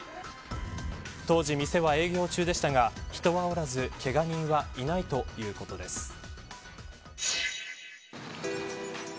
当時、店は営業中でしたが人はおらずけが人はいないということです。